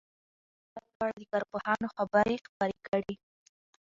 ازادي راډیو د امنیت په اړه د کارپوهانو خبرې خپرې کړي.